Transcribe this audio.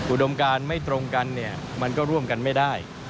อุดมการไม่ตรงกันเนี่ยมันก็ร่วมกันไม่ได้